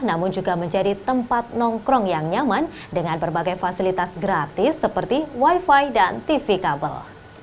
namun juga menjadi tempat nongkrong yang nyaman dengan berbagai fasilitas gratis seperti wifi dan tv kabel